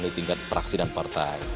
di tingkat praksi dan partai